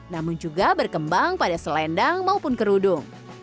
namun juga berkembang pada selendang maupun kerudung